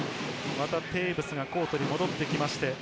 テーブスがコートに戻ってきました。